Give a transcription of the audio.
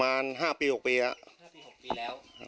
วังบุรพา